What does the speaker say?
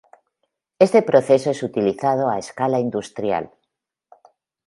Este proceso es utilizado a escala industrial.